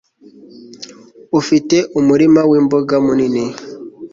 ufite umurima wi mboga munini